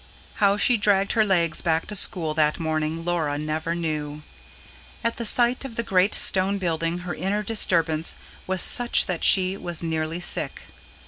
How she dragged her legs back to school that morning, Laura never knew. At the sight of the great stone building her inner disturbance was such that she was nearly sick.